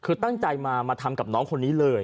คือตั้งใจมาทำกับน้องคนนี้เลย